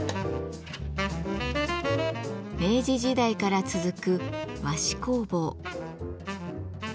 明治時代から続く和紙工房。